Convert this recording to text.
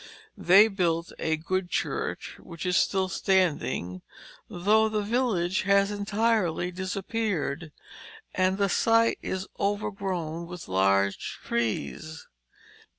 They built a good church which is still standing, though the village has entirely disappeared, and the site is overgrown with large trees.